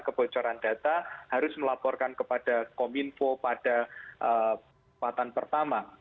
kebocoran data harus melaporkan kepada kominfo pada kekuatan pertama